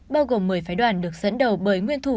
bao gồm một mươi phái đoàn được dẫn đầu bởi nguyên thủ